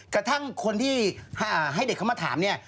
กระทั่งคนที่ให้เด็กเขามาถามเนี่ย